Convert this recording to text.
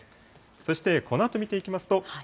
そしてこのあと見ていきますと。